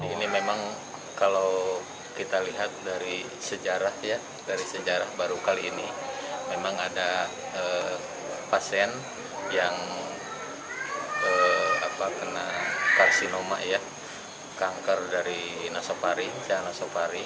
ini memang kalau kita lihat dari sejarah baru kali ini memang ada pasien yang kena karsinoma kanker dari nasoparing